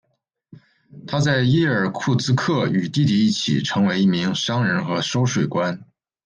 他在伊尔库茨克与弟弟一起成为一名商人和收税官。